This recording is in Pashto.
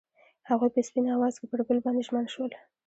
هغوی په سپین اواز کې پر بل باندې ژمن شول.